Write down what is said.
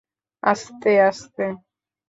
আস্তে, আস্তে!